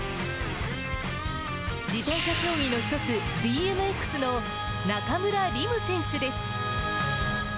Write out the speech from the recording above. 自転車競技の一つ、ＢＭＸの中村輪夢選手です。